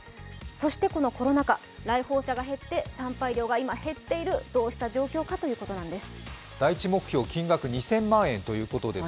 そしてこのコロナ禍、来訪者が減って参拝料が減っている、どうした状況かということなんです。